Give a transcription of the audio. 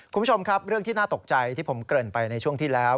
คุณผู้ชมครับเรื่องที่น่าตกใจที่ผมเกริ่นไปในช่วงที่แล้ว